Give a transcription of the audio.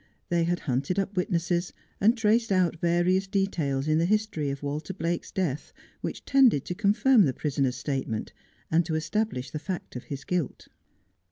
They had hunted up witnesses, and traced out various details in the history of Walter Blake's death which tended to confirm the prisoner's statement, and to establish the fact of his guilt.